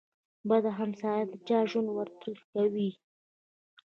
بد همسایه د چا ژوند ور تريخ کوي.